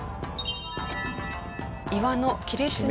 岩の亀裂に。